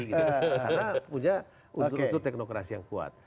karena punya unsur unsur teknokrasi yang kuat